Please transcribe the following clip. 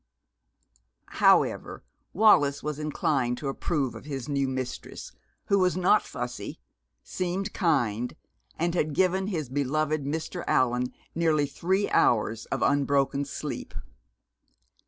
However, Wallis was inclined to approve of his new mistress, who was not fussy, seemed kind, and had given his beloved Mr. Allan nearly three hours of unbroken sleep.